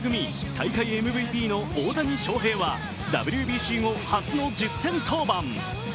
大会ＭＶＰの大谷翔平はＷＢＣ後、初の実戦登板。